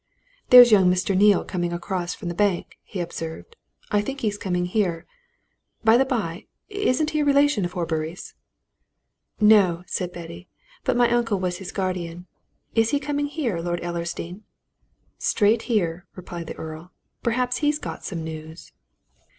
"There's young Mr. Neale coming across from the bank," he observed. "I think he's coming here. By the by, isn't he a relation of Horbury's?" "No," said Betty. "But my uncle was his guardian. Is he coming here, Lord Ellersdeane?" "Straight here," replied the Earl. "Perhaps he's got some news."